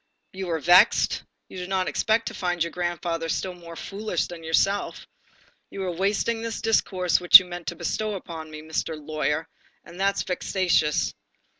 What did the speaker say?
You are vexed? You did not expect to find your grandfather still more foolish than yourself, you are wasting the discourse which you meant to bestow upon me, Mr. Lawyer, and that's vexatious.